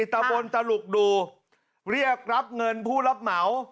ตะบนตลุกดูเรียกรับเงินผู้รับเหมา